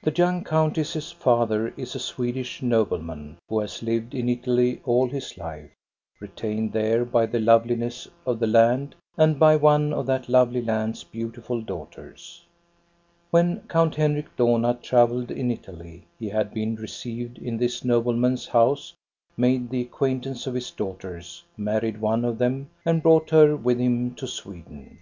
The young countess's father is a Swedish noble man, who has lived in Italy all his life, retained there by the loveliness of the land and by one of that lovely land's beautiful daughters. When Count Henrik Dohna travelled in Italy he had been re ceived in this nobleman's house, made the acquaint ance of his daughters, married one of them, and brought her with him to Sweden.